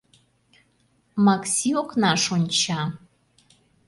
Макси окнаш онча.